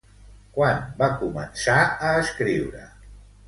Quan va començar a escriure?